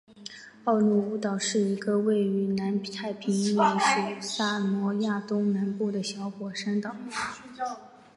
奥努乌岛是一个位于南太平洋美属萨摩亚东南部的小火山岛。